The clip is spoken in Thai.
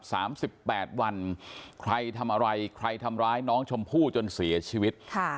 สามสิบแปดวันใครทำอะไรใครทำร้ายน้องชมพู่จนเสียชีวิตค่ะ